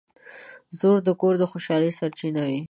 • زوی د کور د خوشحالۍ سرچینه وي.